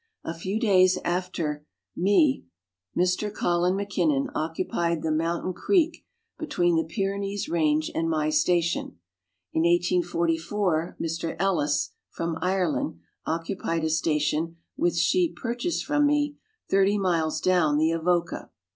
A few days after me> Mr. Colin Mackinnon, occupied the "Mountain Creek," be tween the Pyrenees range and my station. In 1844, Mr. Ellis (from Ireland) occupied a station with sheep purchased from me 30 miles down the Avoca.